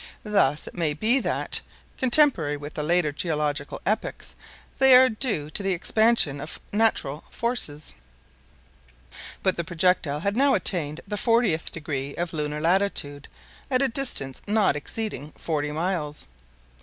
Thus it may be that, contemporary with the later geological epochs, they are due to the expansion of natural forces. But the projectile had now attained the fortieth degree of lunar latitude, at a distance not exceeding 40 miles.